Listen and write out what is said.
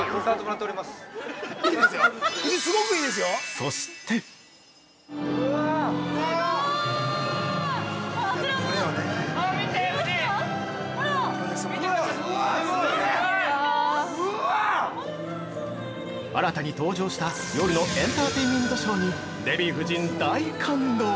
そして新たに登場した夜のエンターテイメントショーにデヴィ夫人、大感動！